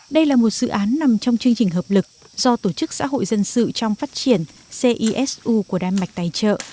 đây là một dự án nằm trong chương trình hợp lực do tổ chức xã hội dân sự trong phát triển cisu của đan mạch tài trợ